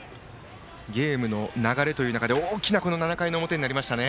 ゲームの流れという中で大きな７回の表になりましたね。